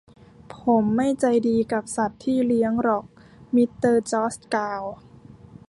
ผมไม่ใจดีกับสัตว์ที่เลี้ยงหรอก มิสเตอร์จอร์ชกล่าว